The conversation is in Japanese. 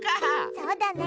そうだね。